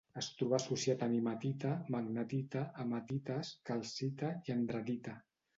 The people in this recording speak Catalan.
Es trobà associat a mimetita, magnetita, hematites, calcita i andradita.